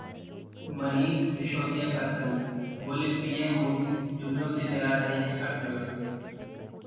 मनीष सिसोदिया का तंज, बोले- पीएम मोदी जुमलों से चला रहे हैं अर्थव्यवस्था